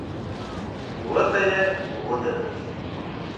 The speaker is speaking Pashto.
وره ته يې ودراوه.